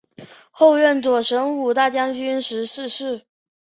后任左神武大将军时逝世。